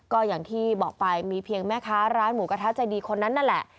ก็อย่างที่บอกไปมีเพียงแม่ค้าร้านหมูกระทะใจดีคนนั้นนั่นแหละ